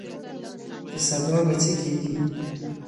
چې سبا به څه کيږي؟